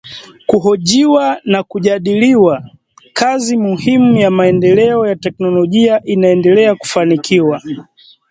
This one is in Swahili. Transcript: kuhojiwa na kujadiliwa, kazi muhimu ya maendeleo ya teknolojia inaendelea kufanikiwa